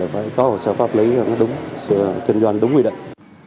phải có hồ sơ pháp lý kinh doanh đúng quy định